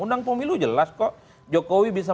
undang pemilu jelas kok jokowi bisa